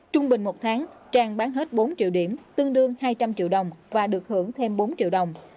trung bình một tháng trang bán hết bốn triệu điểm tương đương hai trăm linh triệu đồng và được hưởng thêm bốn triệu đồng